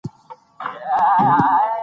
موبایل په لوړ اواز سره په زنګ شو.